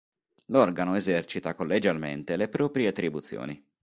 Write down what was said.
L'organo esercita collegialmente le proprie attribuzioni.